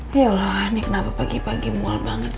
ya allah ini kenapa pagi pagi mual banget